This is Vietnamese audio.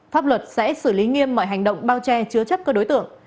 pháp luật sẽ xử lý nghiêm mọi hành động bao che chứa chất cơ đối tượng